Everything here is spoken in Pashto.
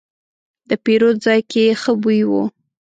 د پیرود ځای کې ښه بوی و.